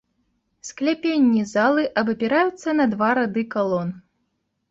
Скляпенні залы абапіраюцца на два рады калон.